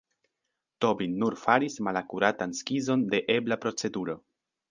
Tobin nur faris malakuratan skizon de ebla proceduro.